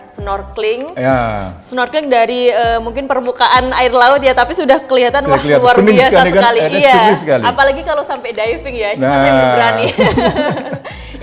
snorkeling snorkeling dari mungkin permukaan air laut ya tapi sudah kelihatan wah luar biasa sekali iya apalagi kalau sampai diving ya cuma yang seberani